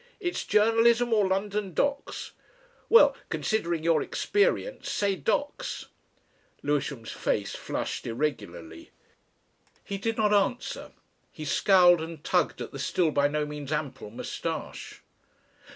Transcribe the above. It's Journalism, or London docks. Well, considering your experience, say docks." Lewisham's face flushed irregularly. He did not answer. He scowled and tugged at the still by no means ample moustache.